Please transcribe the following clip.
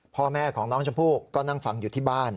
พ่อแม่ของน้องชมพู่ก็นั่งฟังอยู่ที่บ้าน